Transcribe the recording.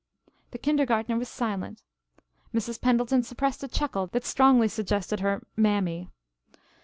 The kindergartner was silent. Mrs. Pendleton suppressed a chuckle that strongly suggested her "mammy."